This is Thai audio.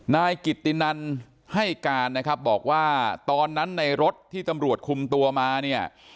นายกิตตินันให้การนะครับบอกว่าตอนนั้นในรถที่ตำรวจคุมตัวมาเนี่ย